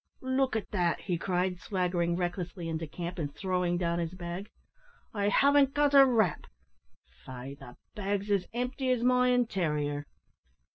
"Look at that," he cried, swaggering recklessly into camp, and throwing down his bag; "I haven't got a rap; faix the bag's as empty as my intarior."